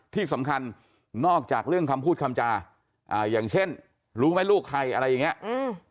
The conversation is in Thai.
ที่สำคัญนอกจากเรื่องคำพูดคำจาอ่าอย่างเช่นรู้ไหมลูกใครอะไรอย่างเงี้ยอืม